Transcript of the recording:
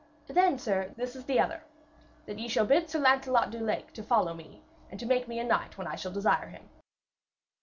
'Then, sir, this is the other, that ye shall bid Sir Lancelot du Lake to follow me, and to make me a knight when I shall desire him.'